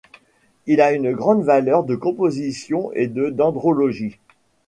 Il a une grande valeur de composition et de dendrologie.